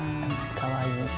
かわいい。